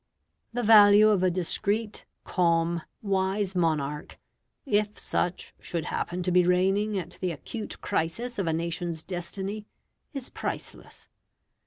The value of a discreet, calm, wise monarch, if such should happen to be reigning at the acute crisis of a nation's destiny, is priceless.